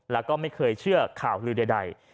แล้วก็ไม่เคยเชื่อข่าวลือใด